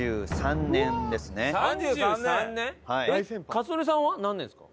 克典さんは何年ですか？